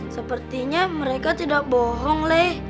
sepertinya mereka tidak bohong